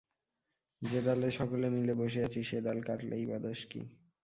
যে ডালে সকলে মিলে বসে আছি সে ডাল কাটলেই বা দোষ কী?